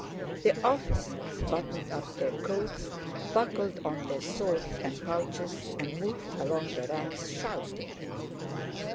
The officers buttoned up their coats, buckled on their swords and pouches, and moved along the ranks shouting.